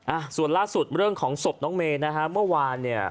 อ่าส่วนล่าสุดเรื่องของศพน้องเมย์นะฮะเมื่อวานเนี่ย